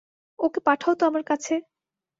ওকে পাঠাও তো আমার কাছে।